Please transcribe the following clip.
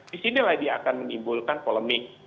di sini lah dia akan menimbulkan polemik